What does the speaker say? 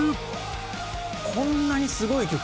こんなにすごい曲。